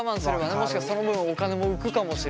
もしかしてその分お金も浮くかもしれないけど。